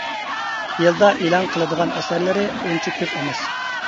يىلدا ئېلان قىلىدىغان ئەسەرلىرى ئۇنچە كۆپ ئەمەس.